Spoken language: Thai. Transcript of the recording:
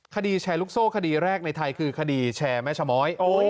แชร์ลูกโซ่คดีแรกในไทยคือคดีแชร์แม่ชะม้อย